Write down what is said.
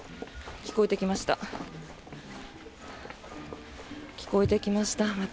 聞こえてきました。